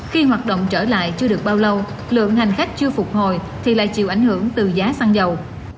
khi hoạt động trở lại chưa được bao lâu lượng hành khách chưa phục hồi thì lại chịu ảnh hưởng từ giá xăng dầu